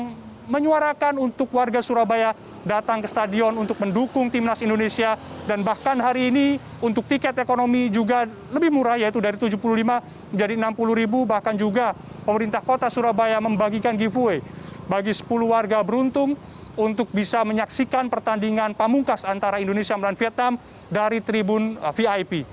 yang menyuarakan untuk warga surabaya datang ke stadion untuk mendukung timnas indonesia dan bahkan hari ini untuk tiket ekonomi yang lebih murah yaitu dari rp tujuh puluh lima menjadi rp enam puluh bahkan juga pemerintah kota surabaya membagikan giveaway bagi sepuluh warga untung untuk bisa menjaksikan pertandingan pamungkas antara indonesia dan vietnam dari tribun vip